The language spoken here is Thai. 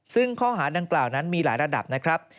ซึ่งข้อหาดังกล่าวนั้นมีหลายระดับนะครับ